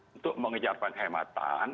untuk mengejar penghematan